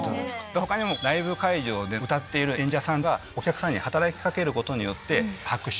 他にもライブ会場で歌っている演者さんがお客さんに働き掛けることによって。